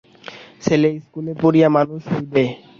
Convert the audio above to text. ছেলে স্কুলে পড়িয়া মানুষ হইবে।